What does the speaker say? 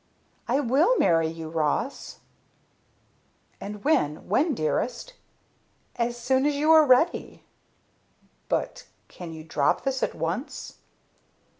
"I will marry you, Ross!" "And when? When, dearest?" "As soon as you are ready." "But can you drop this at once?"